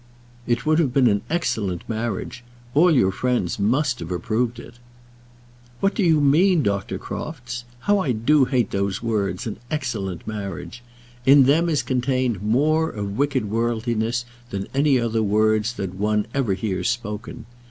"It would have been an excellent marriage; all your friends must have approved it." "What do you mean, Dr. Crofts? How I do hate those words, 'an excellent marriage.' In them is contained more of wicked worldliness than any other words that one ever hears spoken.